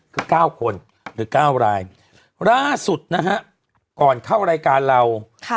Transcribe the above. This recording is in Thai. คือ๙คนหรือ๙รายล่าสุดนะฮะก่อนเข้ารายการเราค่ะ